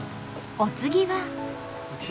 ［お次は］